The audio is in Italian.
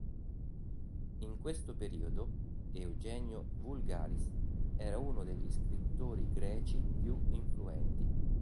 In questo periodo Eugenio Vulgaris era uno degli scrittori greci più influenti.